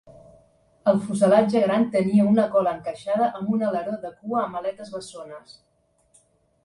El fuselatge gran tenia una cola encaixada amb un aleró de cua amb aletes bessones.